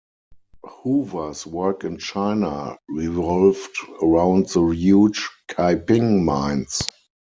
Hoover's work in China revolved around the huge Kaiping Mines.